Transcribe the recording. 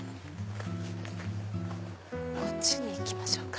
こっちに行きましょうか。